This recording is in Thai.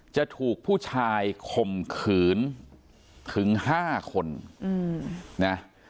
จะถูกผู้ชายข่มขืนถึง๕คนนะ